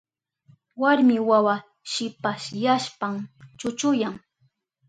Warmi wawa shipasyashpan chuchuyan.